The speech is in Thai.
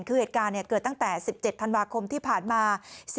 คือเหตุการณ์เกิดตั้งแต่๑๗ธันวาคมที่ผ่านมา